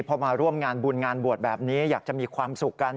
พอมาร่วมงานบุญงานบวชแบบนี้อยากจะมีความสุขกัน